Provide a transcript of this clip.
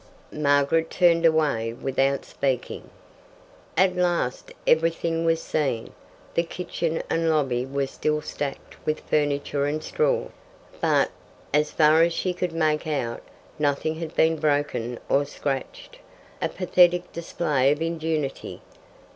Margaret turned away without speaking. At last everything was seen. The kitchen and lobby were still stacked with furniture and straw, but, as far as she could make out, nothing had been broken or scratched. A pathetic display of ingenuity!